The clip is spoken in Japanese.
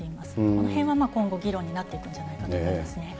そのへんは今後、議論になっていくんじゃないかと思いますね。